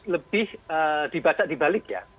lebih dibaca dibalik ya